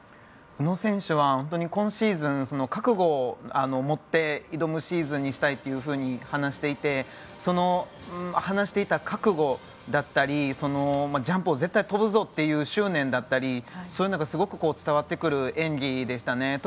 宇野選手は今シーズン覚悟を持って挑むシーズンにしたいと話していて話していた覚悟だったりジャンプを絶対に跳ぶぞという執念だったりそういうのがすごく伝わってくる演技でしたね。